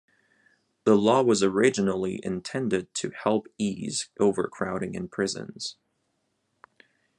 The law was originally intended to help ease overcrowding in prisons.